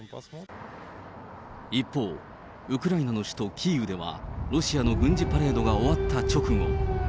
一方、ウクライナの首都キーウでは、ロシアの軍事パレードが終わった直後。